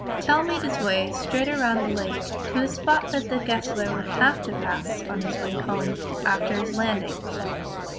Tell made his way straight around the lake to a spot that Gessler would have to pass on his way home after his landing.